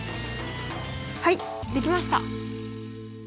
はいできました！